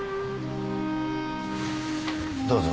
どうぞ。